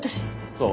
そう。